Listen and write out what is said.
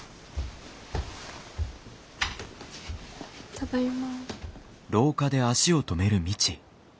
ただいま。